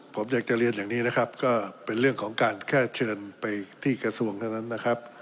ผมอยากจะเรียนอย่างนี้นะครับก็เป็นเรื่องของการแค่เชิญไปที่กระทรวงเท่านั้นนะครับ